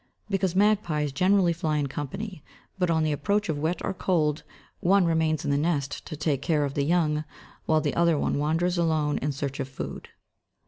_ Because magpies generally fly in company; but on the approach of wet or cold, one remains in the nest to take care of the young, while the other one wanders alone in search of food.